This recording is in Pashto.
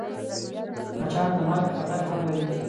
مچان د مرګ خطر هم لري